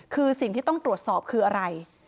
คือสิ่งที่ต้องตรวจสอบคืออะไร